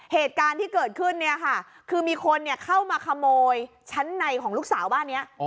เหตุการณ์ที่เกิดขึ้นเนี่ยค่ะคือมีคนเข้ามาขโมยชั้นในของลูกสาวบ้านนี้